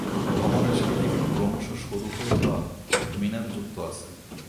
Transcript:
ভবনের সাথে একটি ক্রমশ সরু হয়ে যাওয়া মিনার যুক্ত আছে।